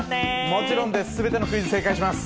もちろんです、全てのクイズに正解します。